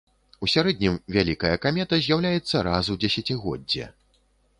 У сярэднім, вялікая камета з'яўляецца раз у дзесяцігоддзе.